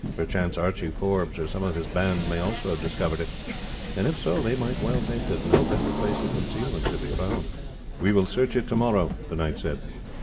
Perchance Archie Forbes or some of his band may also have discovered it; and if so, they might well think that no better place of concealment could be found." "We will search it tomorrow," the knight said.